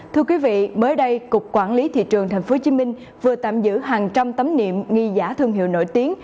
thưa quý vị mới đây cục quản lý thị trường tp hcm vừa tạm giữ hàng trăm tấm niệm nghi giả thương hiệu nổi tiếng